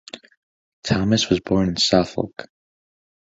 Thomas was born in Suffolk.